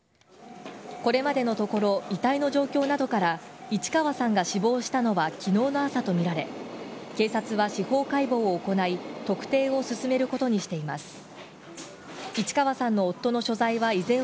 これまでのところ、遺体の状況などから市川さんが死亡したのはきのうの朝と見られ、警察は司法解剖を行い、特定を進めることにしています。